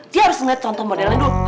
dia harus ngeliat contoh modelnya dulu